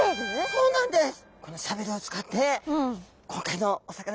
そうなんですよ。